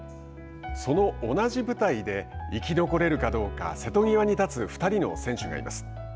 その同じ舞台で生き残れるかどうか瀬戸際に立つ２人の選手がいます。